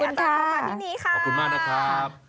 เข้ามาที่นี้ค่ะขอบคุณมากนะครับ